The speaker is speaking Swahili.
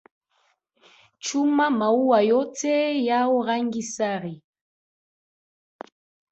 Chuma maua yote yao rangi sare.